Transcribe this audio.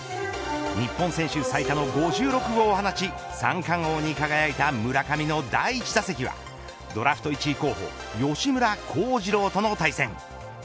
日本人選手最多の５６号を放ち三冠王に輝いた村上の第１打席はドラフト１位候補吉村貢司郎との対戦。